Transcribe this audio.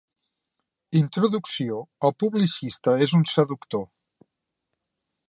Introducció el publicista és un seductor.